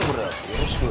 よろしく。